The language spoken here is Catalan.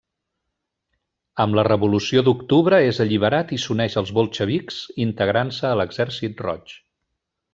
Amb la Revolució d'octubre és alliberat i s'uneix als bolxevics, integrant-se a l'Exèrcit Roig.